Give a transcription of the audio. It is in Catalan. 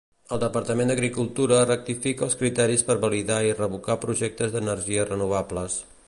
El Departament d'Agricultura rectifica els criteris per validar i revocar projectes d'energies renovables.